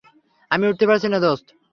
আমি উঠতে পারছি না, দোস্ত!